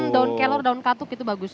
daun kelor daun katuk itu bagus